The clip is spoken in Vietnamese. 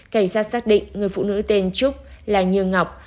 cảnh giác xác định người phụ nữ tên trúc là như ngọc